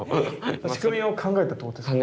仕組みも考えたってことですか？